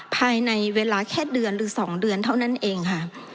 ภายในเวลาแค่เดือนหรือ๒เดือนเท่านั้นเองค่ะ